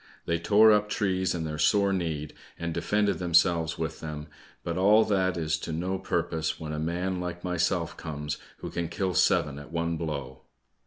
They tore up trees in their sore need, and defended themselves with them, but all that is to no purpose when a man like myself comes, who can kill seven at one blow."